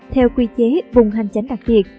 theo quy chế vùng hành chánh đặc biệt